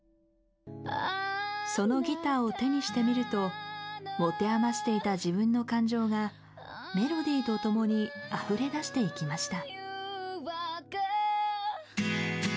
そのギターを手にしてみると持て余していた自分の感情がメロディーとともにあふれ出していきました。